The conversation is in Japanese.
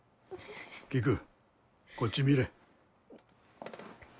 キクこっち見れ。